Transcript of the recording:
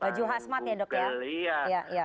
baju khasmat ya dok ya